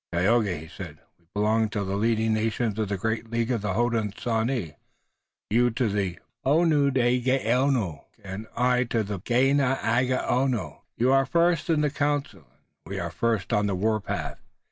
"Tayoga," he said, "we belong to the leading nations of the great League of the Hodenosaunee, you to the Onundahgaono and I to the Ganeagaono. You are first in the council and we are first on the warpath.